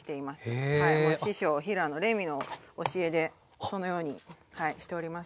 師匠平野レミの教えでそのようにしております。